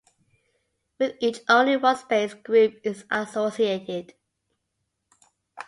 With each only one space group is associated.